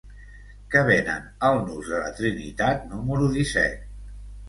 Què venen al nus de la Trinitat número disset?